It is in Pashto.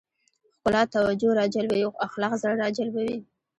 ښکلا توجه راجلبوي خو اخلاق زړه راجلبوي.